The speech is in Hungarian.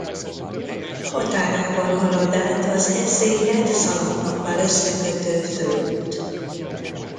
Határában halad át az Eszéket Szalatnokkal összekötő főút.